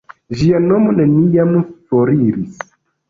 Ĝia nomo neniam foriris.